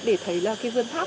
để thấy là cái vườn tháp